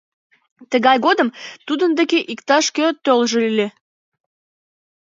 Тыгай годым тудын деке иктаж-кӧ толжо ыле!